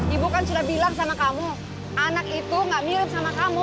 ibu kan sudah bilang sama kamu anak itu gak mirip sama kamu